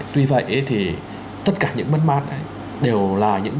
tuy vậy thì tất cả những mất mát ấy đều là những cái